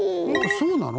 そうなの？